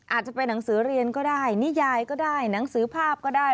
อาจจะเป็นหนังสือเรียนก็ได้นิยายก็ได้หนังสือภาพก็ได้